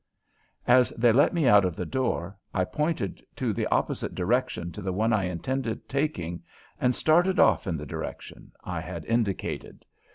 As they let me out of the door I pointed to the opposite direction to the one I intended taking and started off in the direction I had indicated.